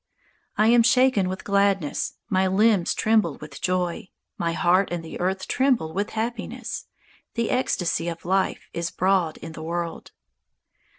I am shaken with gladness; My limbs tremble with joy; My heart and the earth Tremble with happiness; The ecstasy of life Is abroad in the world.